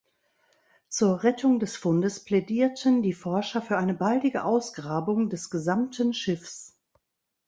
Zur Rettung des Fundes plädierten die Forscher für eine baldige Ausgrabung des gesamten Schiffs.